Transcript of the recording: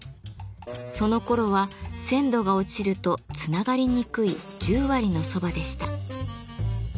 そのころは鮮度が落ちるとつながりにくい十割の蕎麦でした。